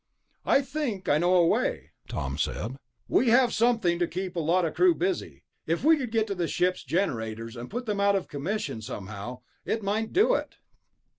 "I think I know a way," Tom said. "We have to have something to keep a lot of the crew busy. If we could get to the ship's generators and put them out of commission somehow, it might do it."